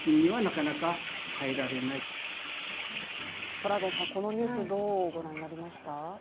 トラウデンさん、このニュース、どうご覧になりました？